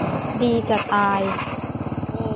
ดีจะตาย